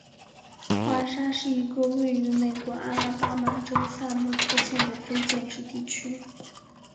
华沙是一个位于美国阿拉巴马州萨姆特县的非建制地区。